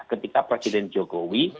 ketika presiden jokowi